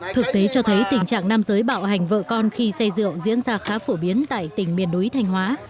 thực tế cho thấy tình trạng nam giới bạo hành vợ con khi say rượu diễn ra khá phổ biến tại tỉnh miền núi thanh hóa